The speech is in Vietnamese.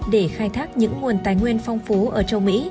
để khai thác những nguồn tài nguyên phong phú ở châu mỹ